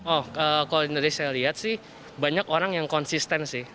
oh kalau dari saya lihat sih banyak orang yang konsisten sih